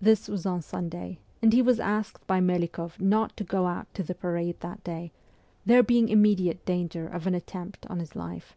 This was on Sunday, and he was asked by Melikoff not to go out to the parade that day, there being immediate danger of an attempt on his life.